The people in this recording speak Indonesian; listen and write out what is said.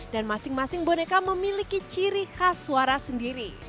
dan masing masing boneka memiliki ciri khas suara sendiri